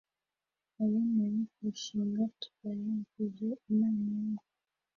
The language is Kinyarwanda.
abemeye kurushinga tubaragije imana weee